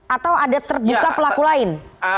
atau ada terbuka pelaku lain